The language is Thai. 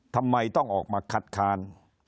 ทำไมต้องออกมาคัดค้าน